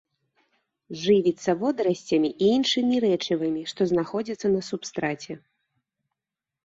Жывіцца водарасцямі і іншымі рэчывамі, што знаходзяцца на субстраце.